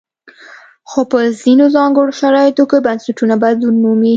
خو په ځینو ځانګړو شرایطو کې بنسټونه بدلون مومي.